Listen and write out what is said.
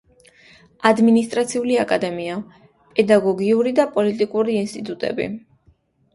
ადმინისტრაციული აკადემია, პედაგოგიური და პოლიტექნიკური ინსტიტუტები.